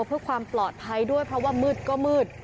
เพื่อความปลอดภัยด้วยเพราะว่ามืดก็มืด